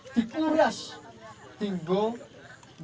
sudah pasti sendiri teman